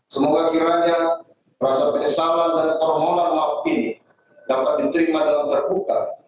semoga kiranya rasa penyesalan dan permohonan maaf ini dapat diterima dalam terbuka